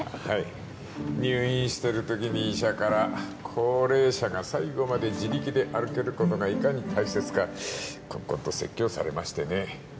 はい入院してる時に医者から高齢者が最後まで自力で歩けることがいかに大切かこんこんと説教されましてね